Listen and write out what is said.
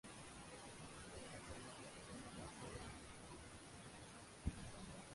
তিনি একজন তৃতীয় প্রজন্মের কোরীয় বংশোদ্ভূত জাপানি নাগরিক।